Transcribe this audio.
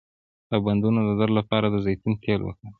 د بندونو درد لپاره د زیتون تېل وکاروئ